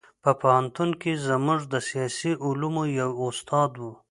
په پوهنتون کې زموږ د سیاسي علومو یو استاد و.